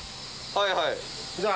はいはい。